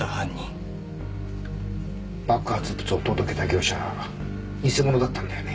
爆発物を届けた業者偽者だったんだよね？